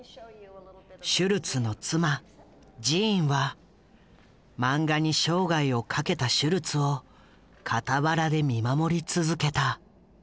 シュルツの妻ジーンは漫画に生涯をかけたシュルツを傍らで見守り続けた。